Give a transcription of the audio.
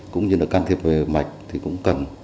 cũng như can thiệp về mạch thì cũng cần